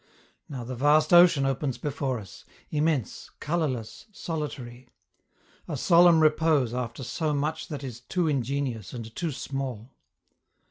Now the vast ocean opens before us, immense, colorless, solitary; a solemn repose after so much that is too ingenious and too small.